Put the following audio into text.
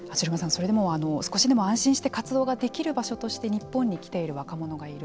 それでも少しでも安心して活動ができる場所として日本に来ている若者がいる。